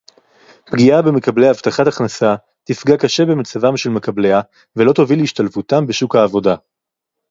פגיעה במקבלי הבטחת הכנסה תפגע קשה במצבם של מקבליה ולא תוביל להשתלבותם בשוק העבודה